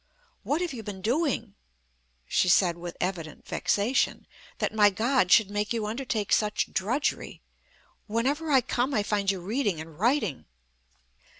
"What have you been doing," she said, with evident vexation, "that my God should make you undertake such drudgery? Whenever I come, I find you reading and writing."